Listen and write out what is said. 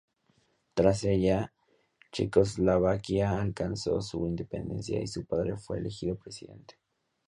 Tras ella, Checoslovaquia alcanzó su independencia y su padre fue elegido presidente.